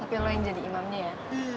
tapi lo yang jadi imamnya ya